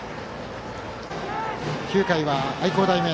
９回は愛工大名